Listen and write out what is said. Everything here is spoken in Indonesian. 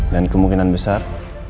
dan kemungkinan besar